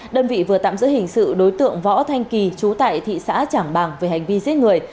đơn vị vừa tạm giữ hình sự đối tượng võ thanh kỳ chú tại thị xã trảng bàng về hành vi giết người